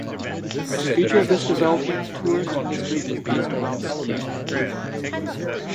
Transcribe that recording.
A feature of this developing tourist industry is based around skiing.